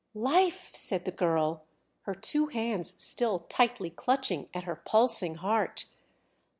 "Life!" said the girl, her two hands still tightly clutching at her pulsing heart.